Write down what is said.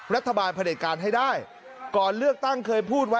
พระเด็จการให้ได้ก่อนเลือกตั้งเคยพูดไว้